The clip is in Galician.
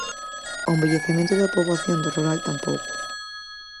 O envellecemento da poboación do rural tampouco.